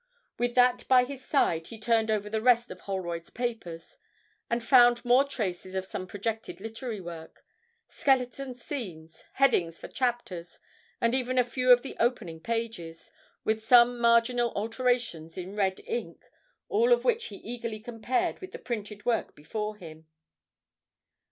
With that by his side he turned over the rest of Holroyd's papers, and found more traces of some projected literary work; skeleton scenes, headings for chapters, and even a few of the opening pages, with some marginal alterations in red ink, all of which he eagerly compared with the printed work before him.